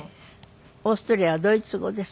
オーストリアはドイツ語ですか？